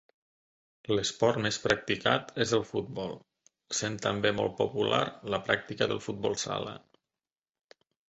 L'esport més practicat és el futbol, sent també molt popular la pràctica del futbol sala.